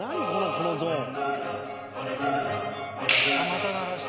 このゾーン。